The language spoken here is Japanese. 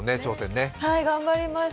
はい、頑張ります。